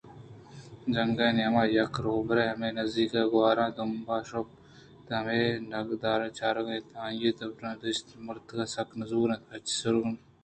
جنگ ءِ نیام ءَ یک روباہے ہمے نزّیک ءُ گوٛراں دمب ءُ شاپ ءَ اَت ءُ ہمے نِدارگاں چارگ ءَاَت: آئی (روباہ) ءَدیست کہ مِڑیتگیں سکّ نزور اَنت ءُ ہچ سُرگ ءُ پُرگی نہ اَنت